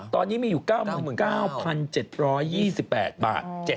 ตอนนี้มีอยู่๙๙๗๒๘บาท